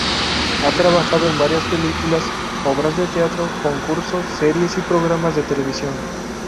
Ha trabajado en varias películas, obras de teatro, concursos, series y programas de televisión.